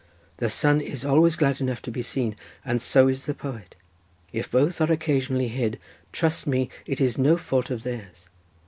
The sun is always glad enough to be seen, and so is the poet. If both are occasionally hid, trust me it is no fault of theirs.